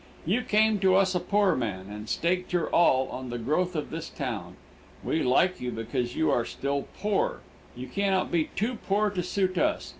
You came to us a poor man, and staked your all on the growth of this town. We like you because you are still poor. You can not be too poor to suit us.